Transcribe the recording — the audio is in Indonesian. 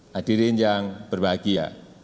hadirin yang berbahagia